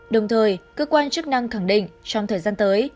đồng thời cơ quan chức năng khẳng định trong thời gian tới